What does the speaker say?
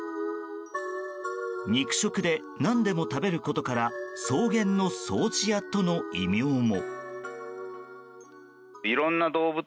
肉食で何でも食べることから草原の掃除屋との異名も。